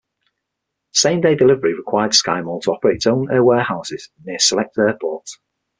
Same-day delivery required SkyMall to operate its own warehouses near select airports.